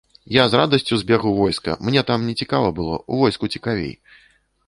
Я з радасцю збег у войска, мне там нецікава было, у войску цікавей.